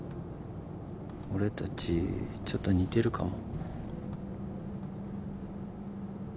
俺たちちょっと似てるかも。